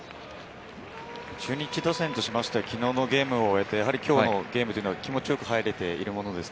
中日打線としては昨日のゲームを終えて今日のゲームは気持ちよく入れているものですか？